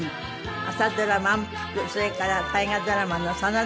朝ドラ『まんぷく』それから大河ドラマの『真田丸』にもご出演。